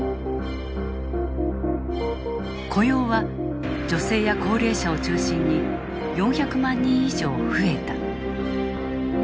雇用は女性や高齢者を中心に４００万人以上増えた。